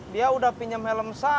dia udah pinjam helm